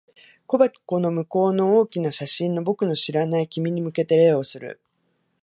木箱の向こうの大きな写真の、僕の知らない君に向けて礼をする。